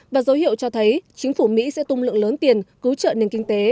và dấu hiệu cho thấy chính phủ mỹ sẽ tung lượng lớn tiền cứu trợ nền kinh tế